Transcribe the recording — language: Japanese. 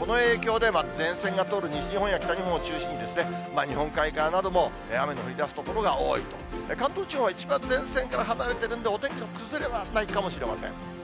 この影響で、前線が通る西日本や北日本を中心に、日本海側なども雨の降りだす所が多いと、関東地方は一番前線から離れてるんで、お天気の崩れはないかもしれません。